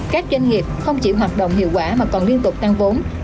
các doanh nghiệp không chỉ hoạt động hiệu quả mà còn liên tục tăng vốn